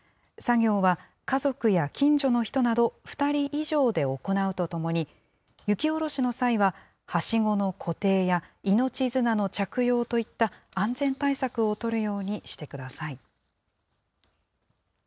作業は家族や近所の人など、２人以上で行うとともに、雪下ろしの際は、はしごの固定や命綱の着用といった安全対策を取るようにしてください。